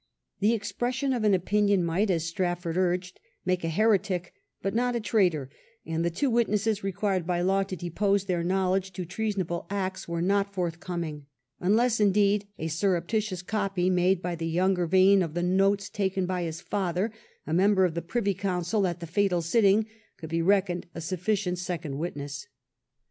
The expression of an opinion might, as Strafford urged, make a heretic but not a traitor; and the two witnesses required by law to depose their knowledge to treasonable acts were not forthcoming, unless, indeed, a surreptitious copy made by the younger Vane of the notes taken by his father, a member of the Privy Council at the fatal sitting, could be reckoned a sufficient second witness.